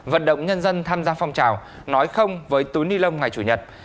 vận động nhân dân tham gia phong trào nói không với túi ni lông ngày chủ nhật